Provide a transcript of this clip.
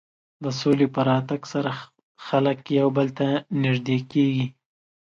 د سولې په راتګ سره خلک یو بل ته نژدې کېږي.